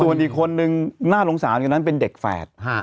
ส่วนอีกคนนึงน่าสงสารกว่านั้นเป็นเด็กแฝด